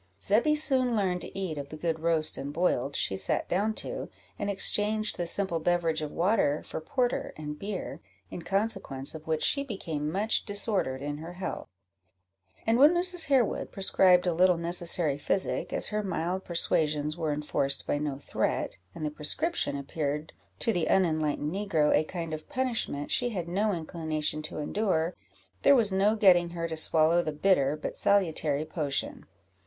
Zebby soon learned to eat of the good roast and boiled she sat down to, and exchanged the simple beverage of water for porter and beer, in consequence of which she became much disordered in her health; and when Mrs. Harewood prescribed a little necessary physic, as her mild persuasions were enforced by no threat, and the prescription appeared to the unenlightened negro a kind of punishment she had no inclination to endure, there was no getting her to swallow the bitter but salutary potion.